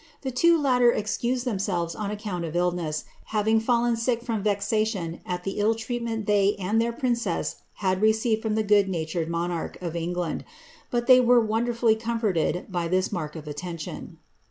The two latter excused themselves on account of illness, having fallen sick from vexation at the ill treatment they and tlieir princess liad received from the ^^ good natured monarcJC* of England ; but they were vonderfully comforted by this mark of attention.'